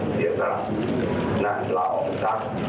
เสียสรรค์และล่าออกสรรค์